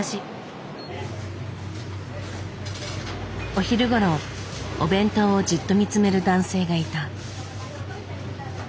お昼ごろお弁当をじっと見つめる男性がいた。